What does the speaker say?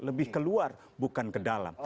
lebih keluar bukan ke dalam